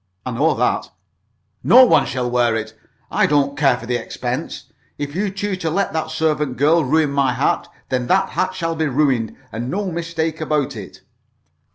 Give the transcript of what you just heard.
"I know that." "No one shall wear it! I don't care for the expense! If you choose to let that servant girl ruin my hat, then that hat shall be ruined, and no mistake about it!"